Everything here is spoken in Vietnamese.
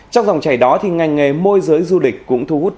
trong dòng chảy đó thì ngành nghề môi giới du lịch cũng thuộc